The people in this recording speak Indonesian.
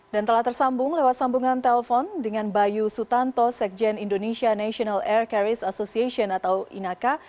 dan telah tersambung lewat sambungan telepon dengan bayu sutanto sekjen indonesia national air carries association atau inaca